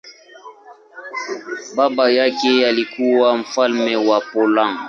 Baba yake alikuwa mfalme wa Poland.